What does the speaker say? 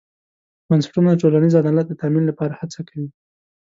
بنسټونه د ټولنیز عدالت د تامین لپاره هڅه کوي.